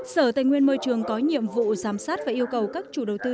sở tây nguyên môi trường có nhiệm vụ giám sát và yêu cầu các chủ đầu tư